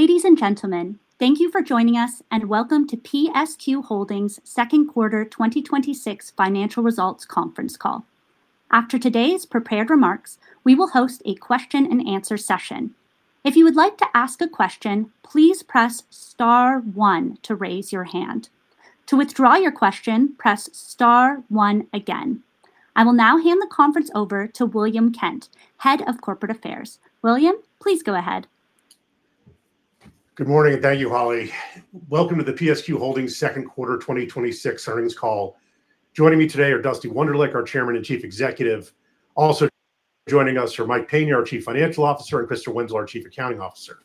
Ladies and gentlemen, thank you for joining us and welcome to PSQ Holdings' second quarter 2026 financial results conference call. After today's prepared remarks, we will host a Q&A session. If you would like to ask a question, please press star one to raise your hand. To withdraw your question, press star one again. I will now hand the conference over to William Kent, Head of Corporate Affairs. William, please go ahead. Good morning. Thank you, Holly. Welcome to the PSQ Holdings second quarter 2026 earnings call. Joining me today are Dusty Wunderlich, our Chairman and Chief Executive. Also joining us are Mike Payne, our Chief Financial Officer, and Krista Wenzel, our Chief Accounting Officer.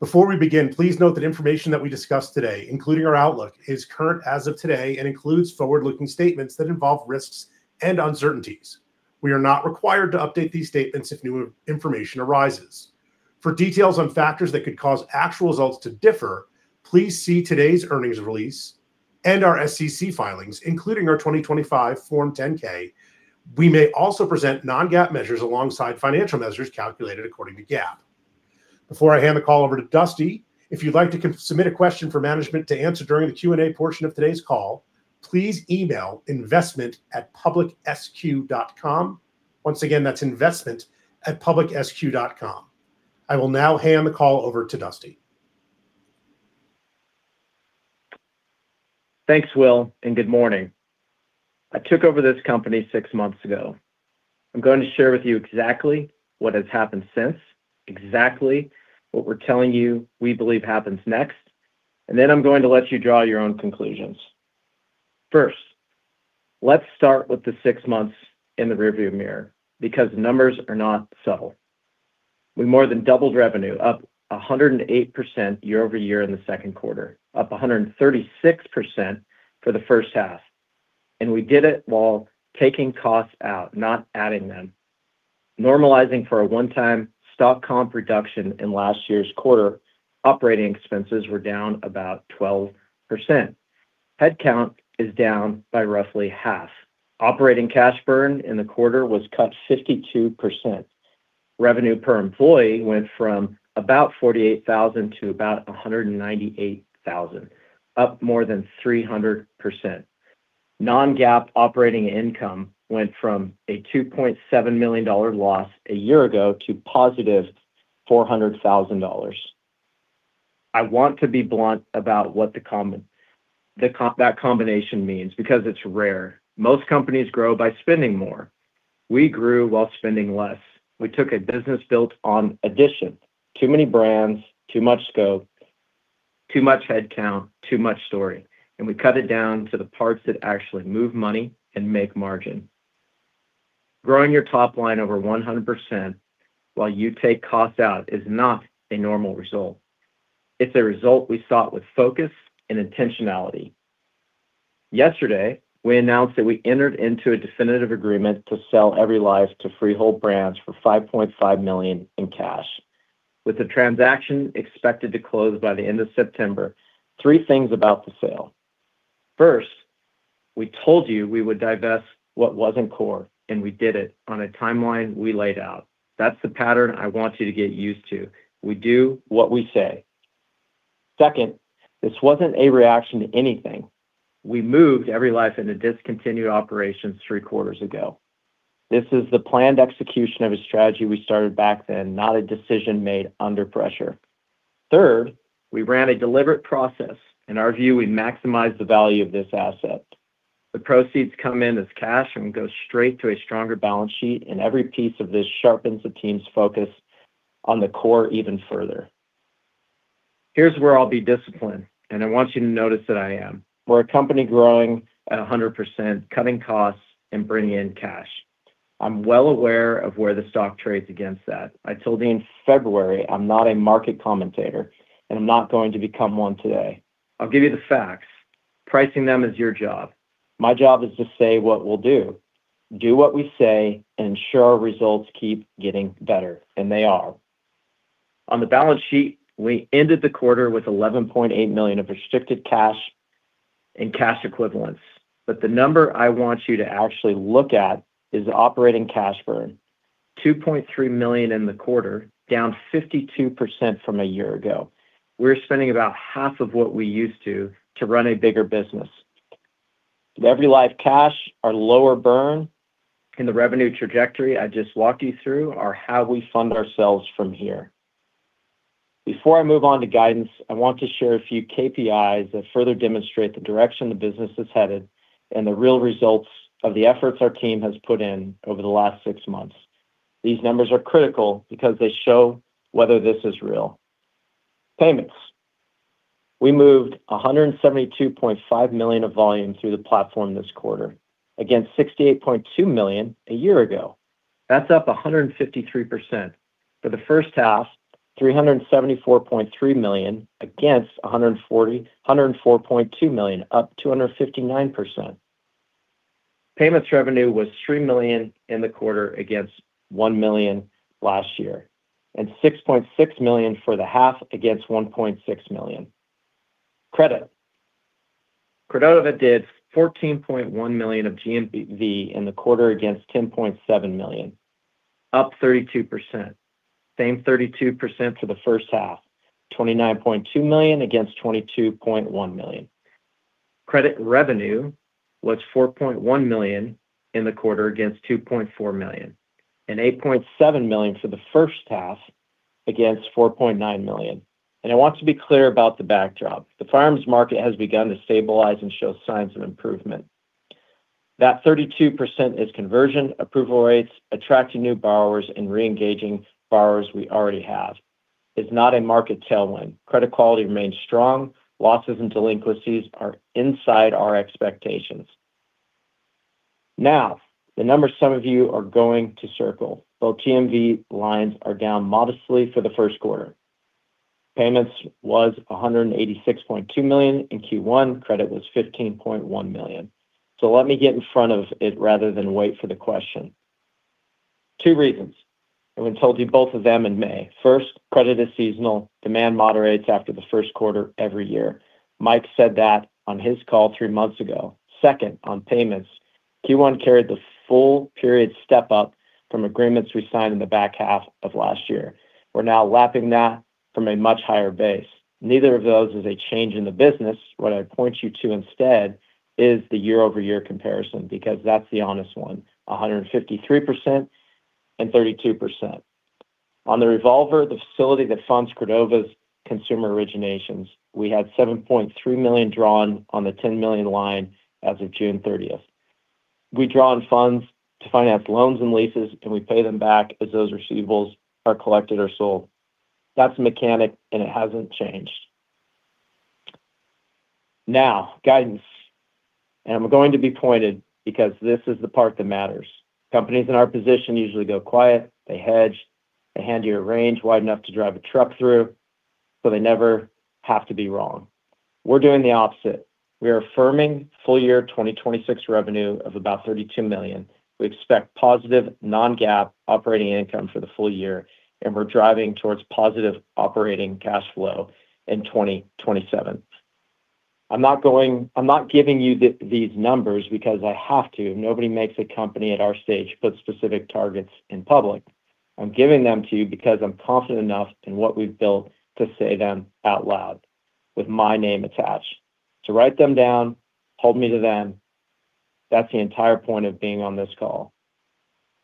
Before we begin, please note that information that we discuss today, including our outlook, is current as of today and includes forward-looking statements that involve risks and uncertainties. We are not required to update these statements if new information arises. For details on factors that could cause actual results to differ, please see today's earnings release and our SEC filings, including our 2025 Form 10-K. We may also present non-GAAP measures alongside financial measures calculated according to GAAP. Before I hand the call over to Dusty, if you'd like to submit a question for management to answer during the Q&A portion of today's call, please email investment@publicsq.com. Once again, that's investment@publicsq.com. I will now hand the call over to Dusty. Thanks, Will. Good morning. I took over this company six months ago. I'm going to share with you exactly what has happened since, exactly what we're telling you we believe happens next, and then I'm going to let you draw your own conclusions. First, let's start with the six months in the rearview mirror, because the numbers are not subtle. We more than doubled revenue, up 108% year-over-year in the second quarter, up 136% for the first half, and we did it while taking costs out, not adding them. Normalizing for a one-time stock comp reduction in last year's quarter, operating expenses were down about 12%. Headcount is down by roughly half. Operating cash burn in the quarter was cut 52%. Revenue per employee went from about $48,000 to about $198,000, up more than 300%. Non-GAAP operating income went from a $2.7 million loss a year ago to +$400,000. I want to be blunt about what that combination means, because it's rare. Most companies grow by spending more. We grew while spending less. We took a business built on addition, too many brands, too much scope, too much headcount, too much story, and we cut it down to the parts that actually move money and make margin. Growing your top line over 100% while you take costs out is not a normal result. It's a result we sought with focus and intentionality. Yesterday, we announced that we entered into a definitive agreement to sell EveryLife to FreeHold Brands for $5.5 million in cash, with the transaction expected to close by the end of September. Three things about the sale. We told you we would divest what wasn't core, and we did it on a timeline we laid out. That's the pattern I want you to get used to. We do what we say. Second, this wasn't a reaction to anything. We moved EveryLife into discontinued operations three quarters ago. This is the planned execution of a strategy we started back then, not a decision made under pressure. Third, we ran a deliberate process. In our view, we maximized the value of this asset. The proceeds come in as cash and go straight to a stronger balance sheet, and every piece of this sharpens the team's focus on the core even further. Here's where I'll be disciplined, and I want you to notice that I am. We're a company growing at 100%, cutting costs, and bringing in cash. I'm well aware of where the stock trades against that. I told you in February, I'm not a market commentator, and I'm not going to become one today. I'll give you the facts. Pricing them is your job. My job is to say what we'll do what we say, and ensure our results keep getting better, and they are. On the balance sheet, we ended the quarter with $11.8 million of restricted cash and cash equivalents. The number I want you to actually look at is operating cash burn, $2.3 million in the quarter, down 52% from a year ago. We're spending about half of what we used to run a bigger business. With EveryLife cash, our lower burn, and the revenue trajectory I just walked you through are how we fund ourselves from here. Before I move on to guidance, I want to share a few KPIs that further demonstrate the direction the business is headed and the real results of the efforts our team has put in over the last six months. These numbers are critical because they show whether this is real. Payments. We moved $172.5 million of volume through the platform this quarter against $68.2 million a year ago. That's up 153%. For the first half, $374.3 million against $104.2 million, up 259%. Payments revenue was $3 million in the quarter against $1 million last year, and $6.6 million for the half against $1.6 million. Credit, Credova did $14.1 million of GMV in the quarter against $10.7 million, up 32%. Same 32% for the first half, $29.2 million against $22.1 million. Credit revenue was $4.1 million in the quarter against $2.4 million, and $8.7 million for the first half against $4.9 million. I want to be clear about the backdrop. The firearms market has begun to stabilize and show signs of improvement. That 32% is conversion approval rates, attracting new borrowers and reengaging borrowers we already have. It's not a market tailwind. Credit quality remains strong. Losses and delinquencies are inside our expectations. The number some of you are going to circle. Both GMV lines are down modestly for the first quarter. Payments was $186.2 million in Q1. Credit was $15.1 million. Let me get in front of it rather than wait for the question. Two reasons, we told you both of them in May. First, credit is seasonal. Demand moderates after the first quarter every year. Mike said that on his call three months ago. Second, on payments, Q1 carried the full period step-up from agreements we signed in the back half of last year. We're now lapping that from a much higher base. Neither of those is a change in the business. What I'd point you to instead is the year-over-year comparison because that's the honest one, 153% and 32%. On the revolver, the facility that funds Credova's consumer originations, we had $7.3 million drawn on the $10 million line as of June 30th. We draw on funds to finance loans and leases, and we pay them back as those receivables are collected or sold. That's the mechanic, and it hasn't changed. Guidance. I'm going to be pointed because this is the part that matters. Companies in our position usually go quiet. They hedge. They hand you a range wide enough to drive a truck through so they never have to be wrong. We're doing the opposite. We are affirming full-year 2026 revenue of about $32 million. We expect positive non-GAAP operating income for the full year, and we're driving towards positive operating cash flow in 2027. I'm not giving you these numbers because I have to. Nobody makes a company at our stage put specific targets in public. I'm giving them to you because I'm confident enough in what we've built to say them out loud with my name attached. Write them down, hold me to them. That's the entire point of being on this call.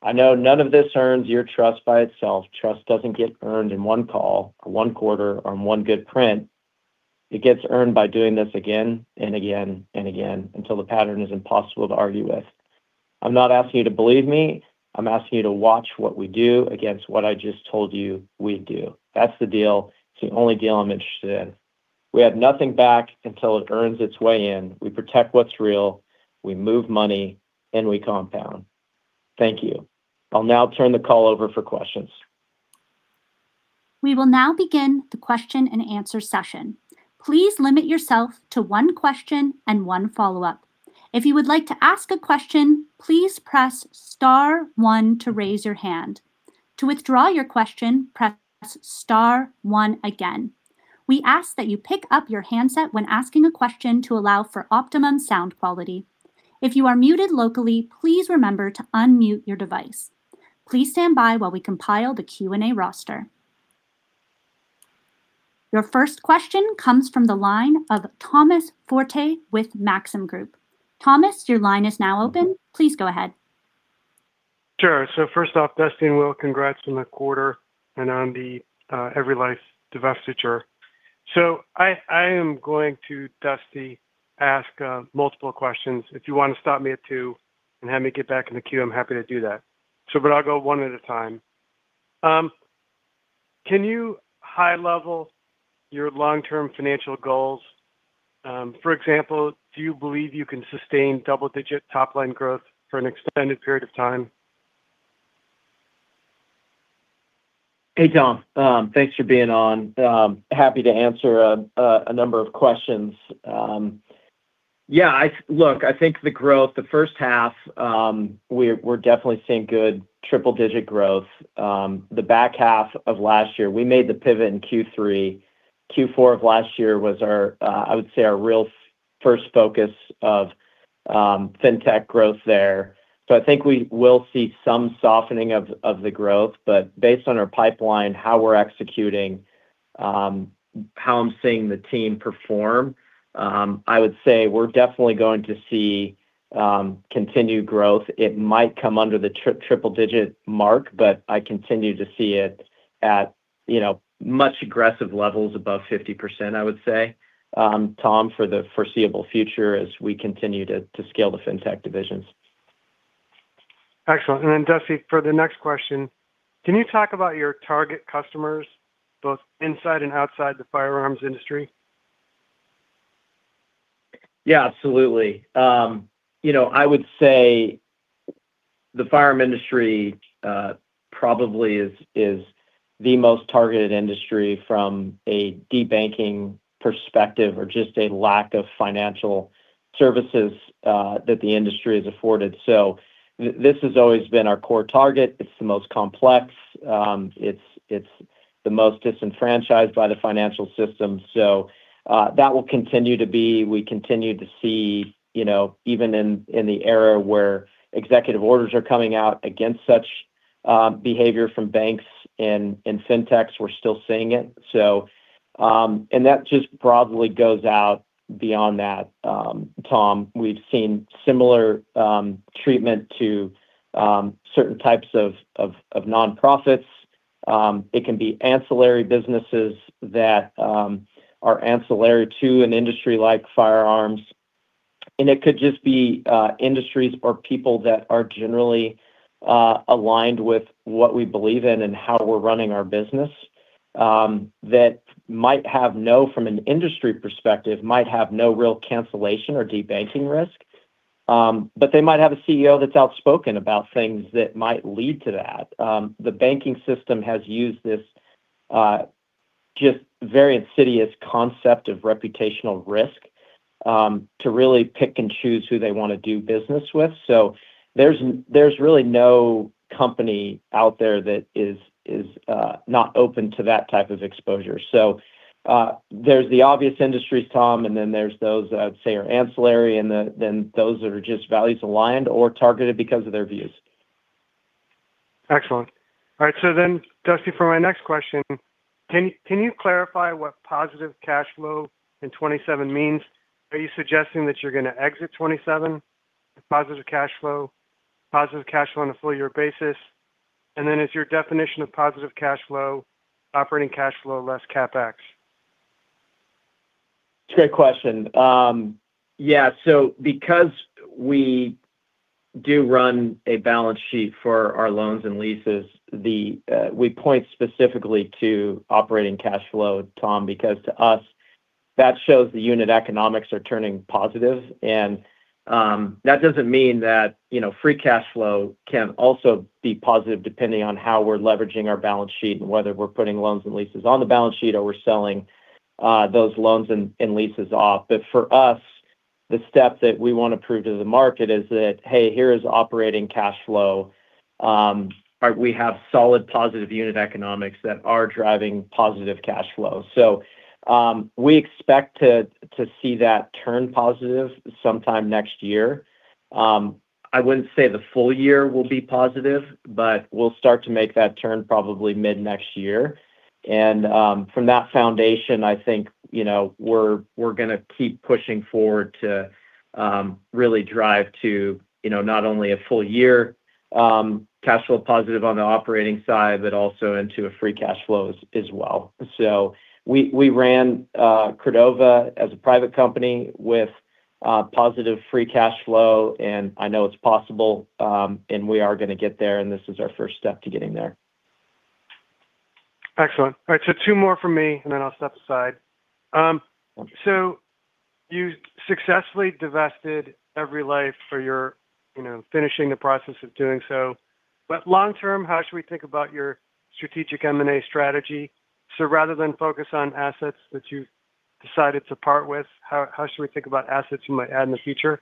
I know none of this earns your trust by itself. Trust doesn't get earned in one call or one quarter or in one good print. It gets earned by doing this again and again and again until the pattern is impossible to argue with. I'm not asking you to believe me. I'm asking you to watch what we do against what I just told you we'd do. That's the deal. It's the only deal I'm interested in. We have nothing back until it earns its way in. We protect what's real, we move money, and we compound. Thank you. I'll now turn the call over for questions. We will now begin the Q&A session. Please limit yourself to one question and one follow-up. If you would like to ask a question, please press star one to raise your hand. To withdraw your question, press star one again. We ask that you pick up your handset when asking a question to allow for optimum sound quality. If you are muted locally, please remember to unmute your device. Please stand by while we compile the Q&A roster. Your first question comes from the line of Thomas Forte with Maxim Group. Thomas, your line is now open. Please go ahead. Sure. First off, Dusty and Will, congrats on the quarter and on the EveryLife divestiture. I am going to, Dusty, ask multiple questions. If you want to stop me at two and have me get back in the queue, I'm happy to do that. I'll go one at a time. Can you high-level your long-term financial goals? For example, do you believe you can sustain double-digit top-line growth for an extended period of time? Hey, Tom. Thanks for being on. Happy to answer a number of questions. Look, I think the growth the first half, we're definitely seeing good triple-digit growth. The back half of last year, we made the pivot in Q3. Q4 of last year was our, I would say our real first focus of fintech growth there. I think we will see some softening of the growth. Based on our pipeline, how we're executing, how I'm seeing the team perform, I would say we're definitely going to see continued growth. It might come under the triple-digit mark, but I continue to see it at much aggressive levels above 50%, I would say, Tom, for the foreseeable future as we continue to scale the fintech divisions. Excellent. Dusty, for the next question, can you talk about your target customers both inside and outside the firearms industry? Yeah, absolutely. I would say the firearm industry probably is the most targeted industry from a debanking perspective or just a lack of financial services that the industry is afforded. This has always been our core target. It's the most complex. The most disenfranchised by the financial system. That will continue to be. We continue to see even in the era where executive orders are coming out against such behavior from banks and in fintechs, we're still seeing it. That just broadly goes out beyond that, Tom. We've seen similar treatment to certain types of nonprofits. It can be ancillary businesses that are ancillary to an industry like firearms. It could just be industries or people that are generally aligned with what we believe in and how we're running our business. That might have, from an industry perspective, might have no real cancellation or debanking risk. They might have a CEO that's outspoken about things that might lead to that. The banking system has used this just very insidious concept of reputational risk to really pick and choose who they want to do business with. There's really no company out there that is not open to that type of exposure. There's the obvious industries, Tom, and then there's those that I would say are ancillary, and then those that are just values aligned or targeted because of their views. Excellent. All right. Dusty, for my next question, can you clarify what positive cash flow in 2027 means? Are you suggesting that you're going to exit 2027 with positive cash flow on a full year basis? Is your definition of positive cash flow operating cash flow less CapEx? It's a great question. Yeah. Because we do run a balance sheet for our loans and leases, we point specifically to operating cash flow, Tom. Because to us, that shows the unit economics are turning positive, and that doesn't mean that free cash flow can also be positive depending on how we're leveraging our balance sheet and whether we're putting loans and leases on the balance sheet or we're selling those loans and leases off. For us, the step that we want to prove to the market is that, hey, here is operating cash flow. We have solid positive unit economics that are driving positive cash flow. We expect to see that turn positive sometime next year. I wouldn't say the full year will be positive, but we'll start to make that turn probably mid-next year. From that foundation, I think we're going to keep pushing forward to really drive to not only a full year cash flow positive on the operating side but also into a free cash flow as well. We ran Credova as a private company with positive free cash flow, and I know it's possible, and we are going to get there, and this is our first step to getting there. Excellent. All right, two more from me, and then I'll step aside. Okay. You successfully divested EveryLife or you're finishing the process of doing so. Long term, how should we think about your strategic M&A strategy? Rather than focus on assets that you've decided to part with, how should we think about assets you might add in the future?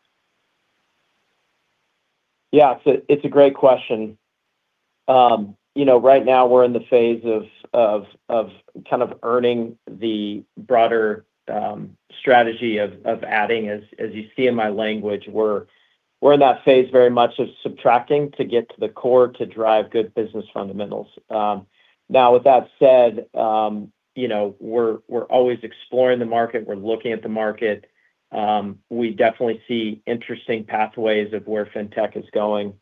Yeah. It's a great question. Right now, we're in the phase of kind of earning the broader strategy of adding. As you see in my language, we're in that phase very much of subtracting to get to the core to drive good business fundamentals. With that said, we're always exploring the market. We're looking at the market. We definitely see interesting pathways of where fintech is going.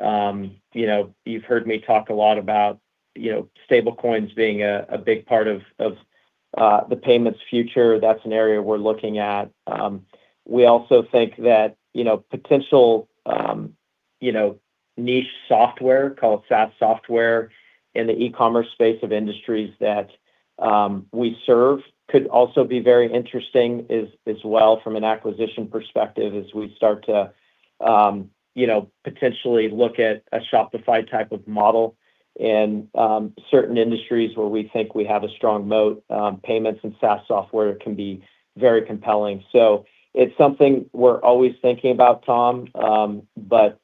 You've heard me talk a lot about stablecoins being a big part of the payments' future. That's an area we're looking at. We also think that potential niche software called SaaS software in the e-commerce space of industries that we serve could also be very interesting as well from an acquisition perspective as we start to potentially look at a Shopify type of model in certain industries where we think we have a strong moat. Payments and SaaS software can be very compelling. It's something we're always thinking about, Tom.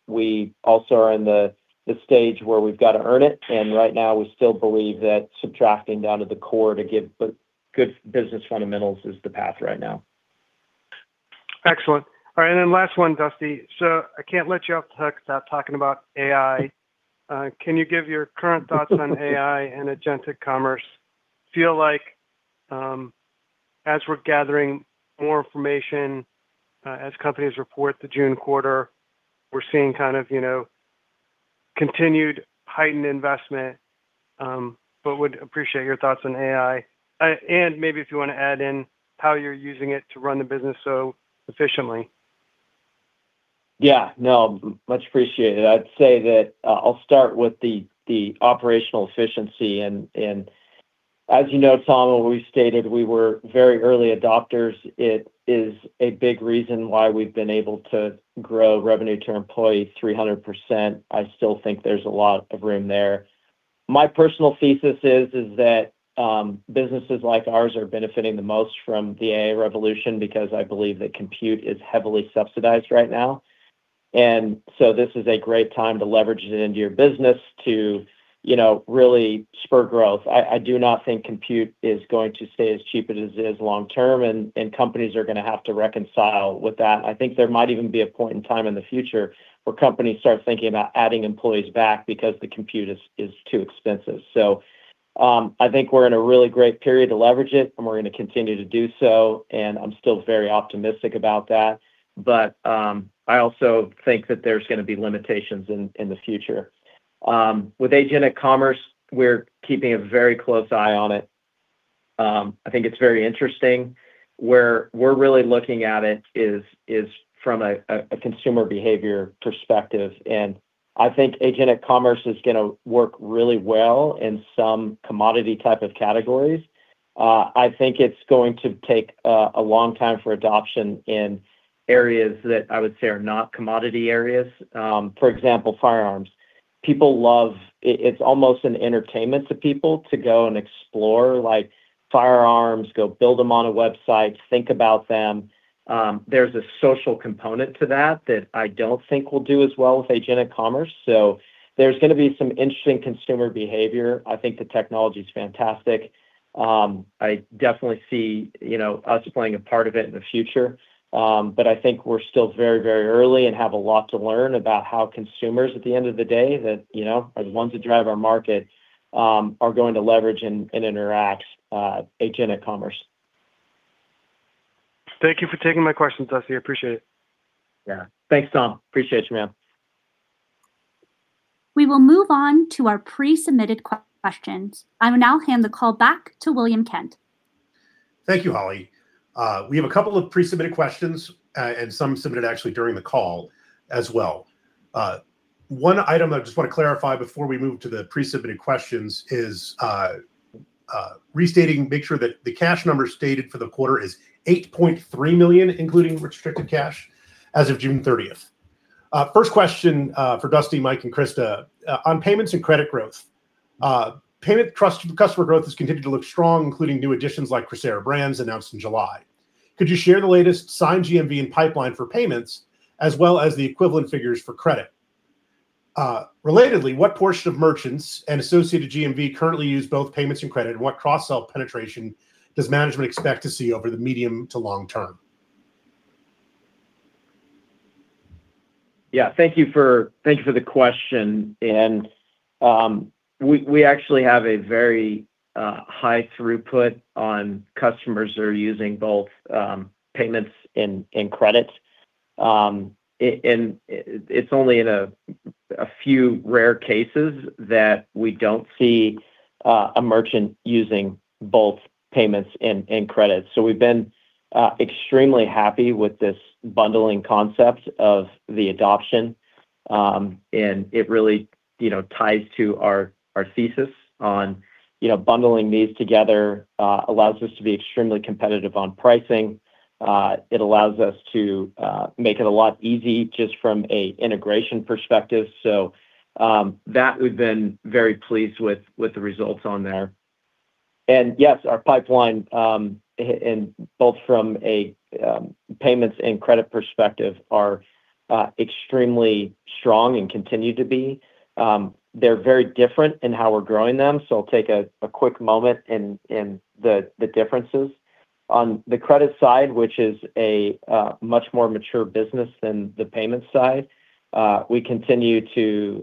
We also are in the stage where we've got to earn it. Right now, we still believe that subtracting down to the core to give good business fundamentals is the path right now. Excellent. All right. Last one, Dusty. I can't let you off the hook without talking about AI. Can you give your current thoughts on AI and agentic commerce? I feel like as we're gathering more information as companies report the June quarter, we're seeing kind of continued heightened investment. Would appreciate your thoughts on AI. Maybe if you want to add in how you're using it to run the business so efficiently. Yeah. No, much appreciated. I'd say that I'll start with the operational efficiency. As you know, Tom, we've stated we were very early adopters. It is a big reason why we've been able to grow revenue to employee 300%. I still think there's a lot of room there. My personal thesis is that businesses like ours are benefiting the most from the AI revolution because I believe that compute is heavily subsidized right now This is a great time to leverage it into your business to really spur growth. I do not think compute is going to stay as cheap as it is long term, and companies are going to have to reconcile with that. I think there might even be a point in time in the future where companies start thinking about adding employees back because the compute is too expensive. I think we're in a really great period to leverage it, and we're going to continue to do so, and I'm still very optimistic about that. I also think that there's going to be limitations in the future. With agentic commerce, we're keeping a very close eye on it. I think it's very interesting. Where we're really looking at it is from a consumer behavior perspective, and I think agentic commerce is going to work really well in some commodity type of categories. I think it's going to take a long time for adoption in areas that I would say are not commodity areas. For example, firearms. It's almost an entertainment to people to go and explore firearms, go build them on a website, think about them. There's a social component to that that I don't think will do as well with agentic commerce. There's going to be some interesting consumer behavior. I think the technology's fantastic. I definitely see us playing a part of it in the future. I think we're still very early and have a lot to learn about how consumers, at the end of the day, that are the ones that drive our market, are going to leverage and interact agentic commerce. Thank you for taking my questions, Dusty. I appreciate it. Yeah. Thanks, Tom. Appreciate you, man. We will move on to our pre-submitted questions. I will now hand the call back to William Kent. Thank you, Holly. We have a couple of pre-submitted questions, and some submitted actually during the call as well. One item I just want to clarify before we move to the pre-submitted questions is restating, make sure that the cash number stated for the quarter is $8.3 million, including restricted cash, as of June 30th. First question for Dusty, Mike, and Krista Wenzel. On payments and credit growth. Payment customer growth has continued to look strong, including new additions like Crecera Brands announced in July. Could you share the latest signed GMV and pipeline for payments as well as the equivalent figures for credit? Relatedly, what portion of merchants and associated GMV currently use both payments and credit, and what cross-sell penetration does management expect to see over the medium to long term? Yeah. Thank you for the question. We actually have a very high throughput on customers that are using both payments and credit. It's only in a few rare cases that we don't see a merchant using both payments and credit. We've been extremely happy with this bundling concept of the adoption. It really ties to our thesis on bundling these together allows us to be extremely competitive on pricing. It allows us to make it a lot easy just from an integration perspective. We've been very pleased with the results on there. Yes, our pipeline, both from a payments and credit perspective, are extremely strong and continue to be. They're very different in how we're growing them, so I'll take a quick moment in the differences. On the credit side, which is a much more mature business than the payments side, we continue to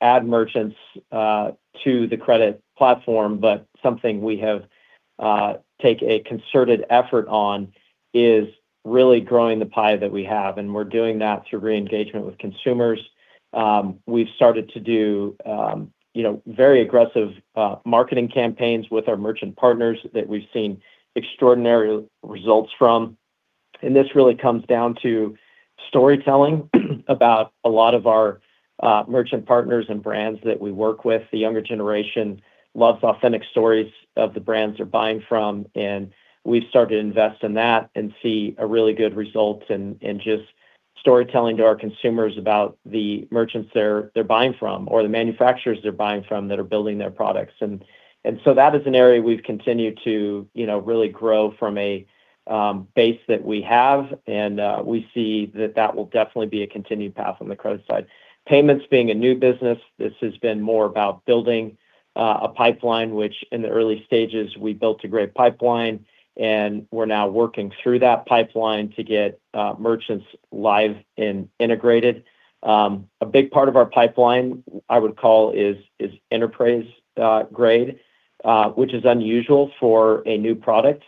add merchants to the credit platform, but something we have take a concerted effort on is really growing the pie that we have, and we're doing that through re-engagement with consumers. We've started to do very aggressive marketing campaigns with our merchant partners that we've seen extraordinary results from. This really comes down to storytelling about a lot of our merchant partners and brands that we work with. The younger generation loves authentic stories of the brands they're buying from, and we've started to invest in that and see a really good result in just storytelling to our consumers about the merchants they're buying from or the manufacturers they're buying from that are building their products. That is an area we've continued to really grow from a base that we have. We see that that will definitely be a continued path on the credit side. Payments being a new business, this has been more about building a pipeline, which in the early stages, we built a great pipeline, and we're now working through that pipeline to get merchants live and integrated. A big part of our pipeline, I would call is enterprise grade, which is unusual for a new product.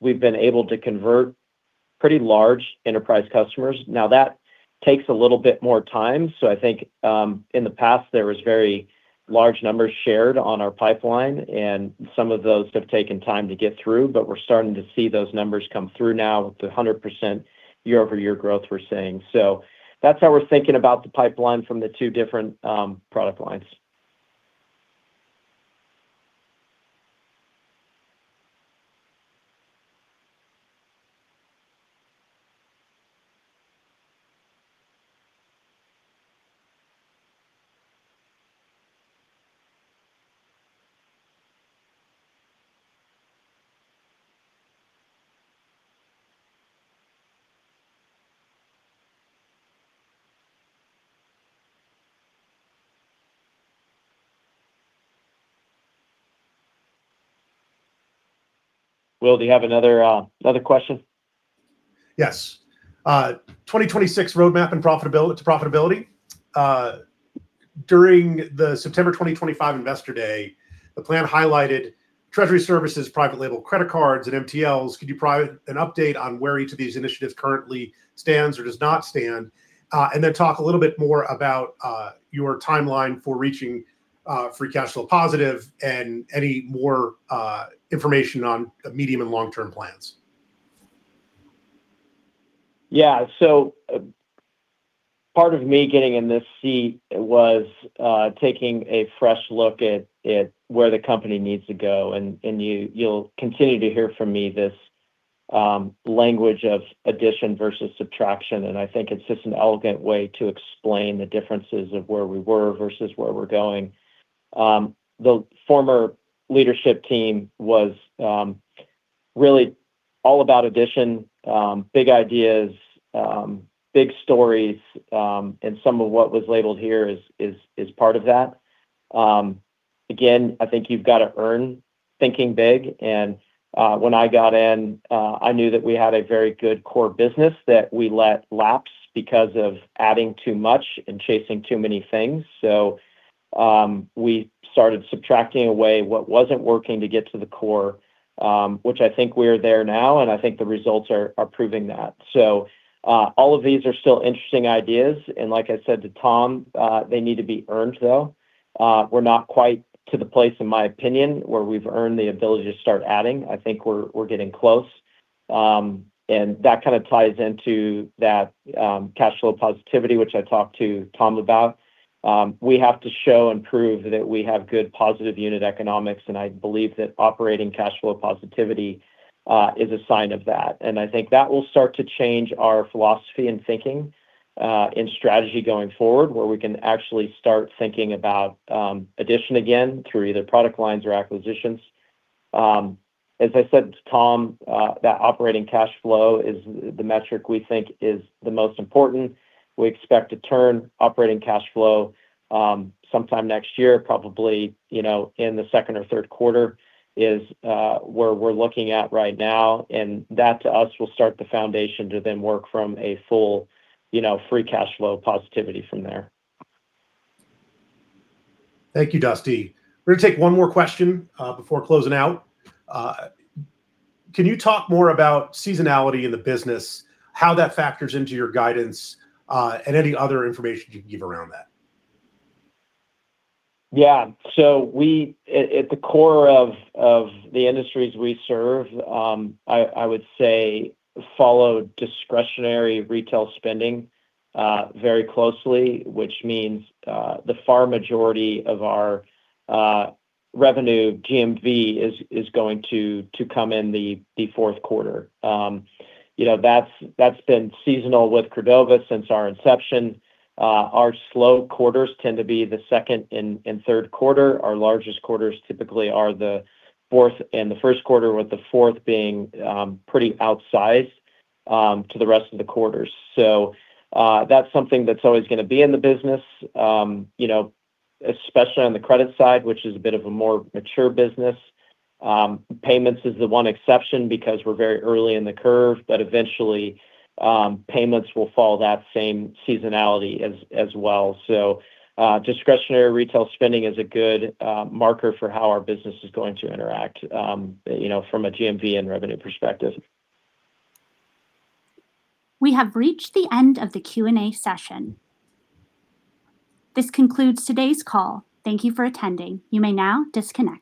We've been able to convert pretty large enterprise customers. Now, that takes a little bit more time. I think in the past, there was very large numbers shared on our pipeline, and some of those have taken time to get through, but we're starting to see those numbers come through now with the 100% year-over-year growth we're seeing. That's how we're thinking about the pipeline from the two different product lines. Will, do you have another question? Yes. 2026 roadmap to profitability. During the September 2025 Investor Day, the plan highlighted treasury services, private label credit cards, and MTLs. Could you provide an update on where each of these initiatives currently stands or does not stand? Talk a little bit more about your timeline for reaching free cash flow positive and any more information on medium and long-term plans. Yeah. Part of me getting in this seat was taking a fresh look at where the company needs to go, and you'll continue to hear from me this language of addition versus subtraction, and I think it's just an elegant way to explain the differences of where we were versus where we're going. The former leadership team was really all about addition, big ideas, big stories, and some of what was labeled here is part of that. Again, I think you've got to earn thinking big. When I got in, I knew that we had a very good core business that we let lapse because of adding too much and chasing too many things. We started subtracting away what wasn't working to get to the core, which I think we're there now, and I think the results are proving that. All of these are still interesting ideas. Like I said to Tom, they need to be earned, though. We're not quite to the place, in my opinion, where we've earned the ability to start adding. I think we're getting close. That kind of ties into that cash flow positivity, which I talked to Tom about. We have to show and prove that we have good positive unit economics, and I believe that operating cash flow positivity is a sign of that. I think that will start to change our philosophy and thinking in strategy going forward, where we can actually start thinking about addition again through either product lines or acquisitions. As I said to Tom, that operating cash flow is the metric we think is the most important. We expect to turn operating cash flow sometime next year. Probably in the second or third quarter is where we're looking at right now, that to us will start the foundation to then work from a full free cash flow positivity from there. Thank you, Dusty. We're going to take one more question before closing out. Can you talk more about seasonality in the business, how that factors into your guidance, and any other information you can give around that? At the core of the industries we serve, I would say follow discretionary retail spending very closely, which means the far majority of our revenue GMV is going to come in the fourth quarter. That's been seasonal with Credova since our inception. Our slow quarters tend to be the second and third quarter. Our largest quarters typically are the fourth and the first quarter, with the fourth being pretty outsized to the rest of the quarters. That's something that's always going to be in the business, especially on the credit side, which is a bit of a more mature business. Payments is the one exception because we're very early in the curve, but eventually payments will follow that same seasonality as well. Discretionary retail spending is a good marker for how our business is going to interact from a GMV and revenue perspective. We have reached the end of the Q&A session. This concludes today's call. Thank you for attending. You may now disconnect.